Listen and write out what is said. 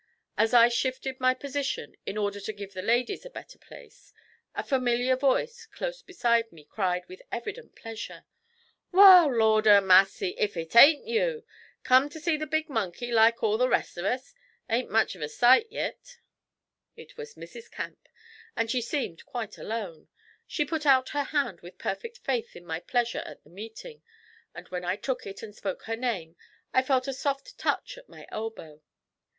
As I shifted my position in order to give the ladies a better place, a familiar voice close beside me cried with evident pleasure: 'Wal! Lord a massy, if it ain't you! Come to see the big monkey, like all the rest of us? Ain't much of a sight yit.' It was Mrs. Camp, and she seemed quite alone. She put out her hand with perfect faith in my pleasure at the meeting; and when I took it and spoke her name, I felt a soft touch at my elbow.